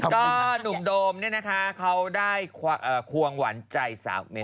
ก็หนุ่มโดมนี่นะคะเขาได้ควงหวันใจ๓เมตร